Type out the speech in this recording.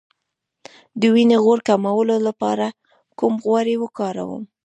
د وینې غوړ کمولو لپاره کوم غوړي وکاروم؟